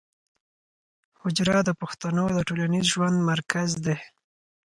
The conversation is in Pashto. حجره د پښتنو د ټولنیز ژوند مرکز دی.